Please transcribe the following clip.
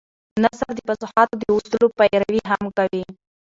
نثر د فصاحت د اصولو پيروي هم کوي.